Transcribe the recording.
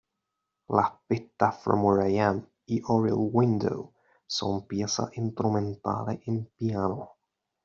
Las pistas "From Where I Am" y "Oriel Window" son piezas instrumentales en piano.